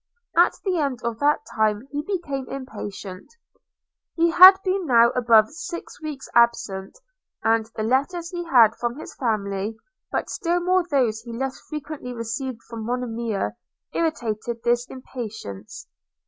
– At the end of that time he became impatient – he had been now above six weeks absent, and the letters he had from his family, but still more those he less frequently received from Monimia, irritated this impatience.